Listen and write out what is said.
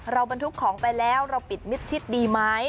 บรรทุกของไปแล้วเราปิดมิดชิดดีไหม